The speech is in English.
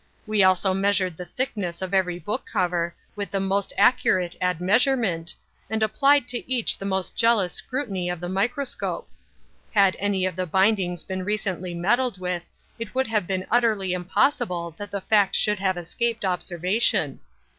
We also measured the thickness of every book cover, with the most accurate admeasurement, and applied to each the most jealous scrutiny of the microscope. Had any of the bindings been recently meddled with, it would have been utterly impossible that the fact should have escaped observation.